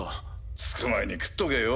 着く前に食っとけよ。